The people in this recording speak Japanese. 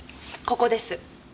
ここです。